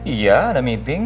iya ada meeting